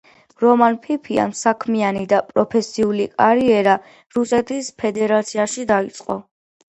რომან ფიფიამ საქმიანი და პროფესიული კარიერა რუსეთის ფედერაციაში დაიწყო.